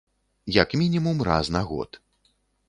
Як мінімум раз на год.